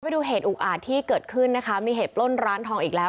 ไปดูเหตุอุกอาจที่เกิดขึ้นนะคะมีเหตุปล้นร้านทองอีกแล้ว